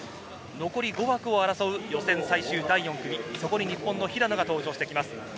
残り５枠を争う予選最終第４組、そこに日本の平野が登場してきます。